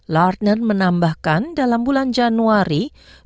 lardner menambahkan dalam bulan januari